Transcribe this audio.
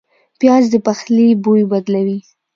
پیاز د پخلي بوی بدلوي